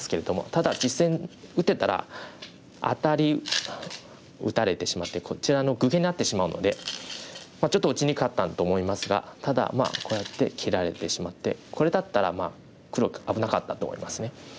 ただ実戦打ってたらアタリ打たれてしまってこちら愚形になってしまうのでちょっと打ちにくかったと思いますがただまあこうやって切られてしまってこれだったら黒危なかったと思いますね。